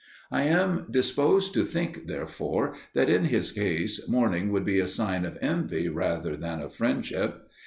I am disposed to think, therefore, that in his case mourning would be a sign of envy rather than of friendship.